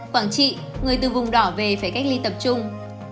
quảng trị người từ vùng đỏ về phải cách ly tập trung